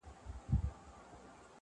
هغه نوري ورځي نه در حسابیږي،